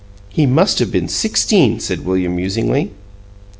"He must have been sixteen," said William, musingly.